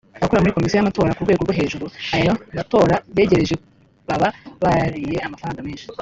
Abakora muri Comission y’amatora kurwego rwo hejuru iyo amatora yegereje baba bariye amafaranga menshi